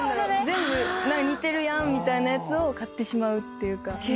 全部似てるやんみたいなやつを買ってしまうっていうか。